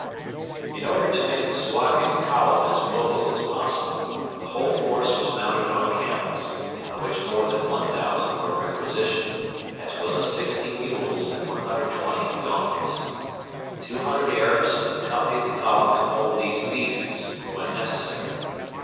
In order to make the Suakin Column as mobile as possible, the whole force was mounted on camels, of which more than 1,000 were requisitioned, as well as 60 mules and 120 donkeys. Two hundred Arabs accompanied the column to hold these beasts when necessary.